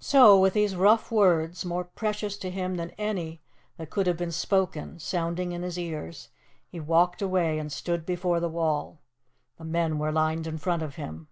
So, with these rough words more precious to him than any that could have been spoken sounding in his ears, he walked away and stood before the wall. The men were lined in front of him.